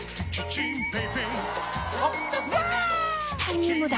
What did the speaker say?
チタニウムだ！